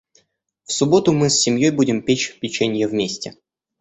В субботу мы с семьей будем печь печенье вместе.